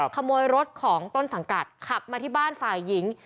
ขโมยรถของต้นสังกัดขับมาที่บ้านฝ่ายหญิง